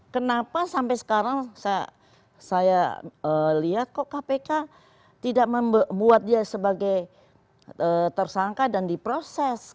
kenapa sampai sekarang saya lihat kok kpk tidak membuat dia sebagai tersangka dan diproses